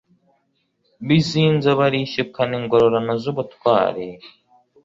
Bizinzo barishyukana Ingororano z'ubutwari